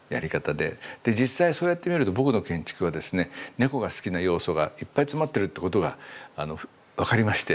で実際そうやってみると僕の建築はですね猫が好きな要素がいっぱい詰まってるってことが分かりまして。